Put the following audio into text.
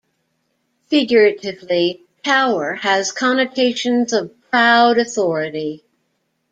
Figuratively, "tower" has connotations of proud authority.